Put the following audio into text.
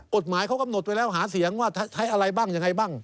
กฎหมายเขากำหนดไว้แล้วหาเสียงว่าใช้อะไรบ้างยังไงบ้าง